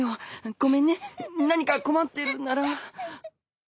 ごめんね何か困ってるなら。